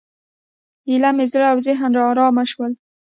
ایله مې زړه او ذهن ارامه شول.